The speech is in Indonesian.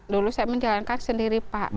dulu saya menjalankan sendiri pak